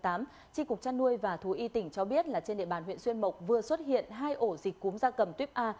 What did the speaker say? tri cục trăn nuôi và thú y tỉnh cho biết là trên địa bàn huyện xuyên mộc vừa xuất hiện hai ổ dịch cúm da cầm tuyếp a